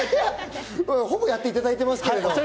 ほぼやっていただいていますけど。